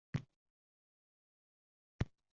hayotini ko‘rkam qilmoqqa